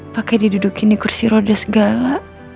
pakai didudukin di kursi roda segala